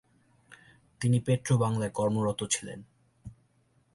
তিনি পেট্রোবাংলায় কর্মরত ছিলেন।